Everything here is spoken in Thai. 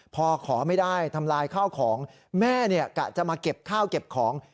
พอขอไม่ได้ทำลายข้าวของแม่กะจะมาเก็บข้าวเก็บของ